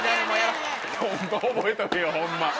ホンマ覚えとけよホンマ